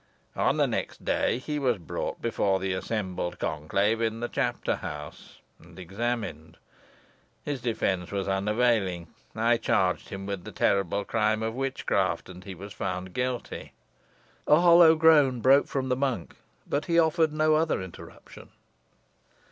On the next day he was brought before the assembled conclave in the chapter house, and examined. His defence was unavailing. I charged him with the terrible crime of witchcraft, and he was found guilty." A hollow groan broke from the monk, but he offered no other interruption.